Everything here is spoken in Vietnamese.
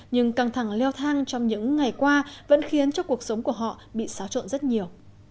nhưng căng thẳng leo thang trong những ngày qua vẫn khiến cho cuộc sống của họ bị xáo trộn rất nhiều